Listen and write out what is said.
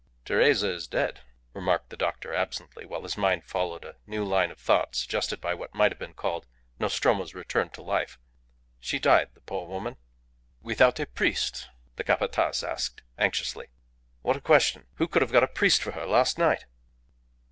"Teresa is dead," remarked the doctor, absently, while his mind followed a new line of thought suggested by what might have been called Nostromo's return to life. "She died, the poor woman." "Without a priest?" the Capataz asked, anxiously. "What a question! Who could have got a priest for her last night?"